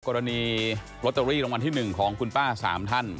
กรณีลอตเตอรี่รางวัลที่๑ของคุณป้า๓ท่าน